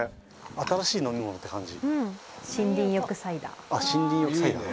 新しい飲み物って感じ。